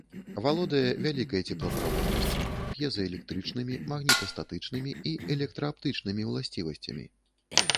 Валодае вялікай цеплаправоднасцю, п'езаэлектрычнымі, магнітастатычнымі і электрааптычнымі ўласцівасцямі.